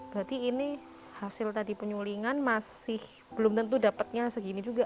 berarti ini hasil tadi penyulingan masih belum tentu dapatnya segini juga